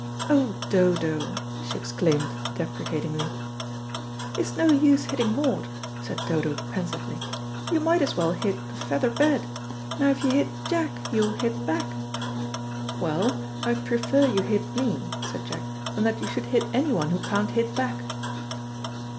"Oh, Dodo!" she exclaimed deprecatingly. "It's no use hitting Maud," said Dodo pensively. "You might as well hit a feather bed. Now, if you hit Jack, he will hit back." "Well, I'd prefer you hit me," said Jack, "than that you should hit anyone who can't hit back."